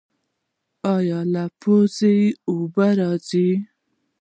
ایا له پوزې اوبه راځي؟